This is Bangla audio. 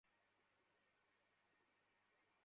দিনদিন আমার বয়স হচ্ছে না?